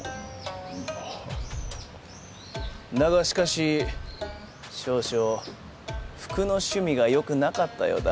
だがしかし少々服の趣味が良くなかったようだ。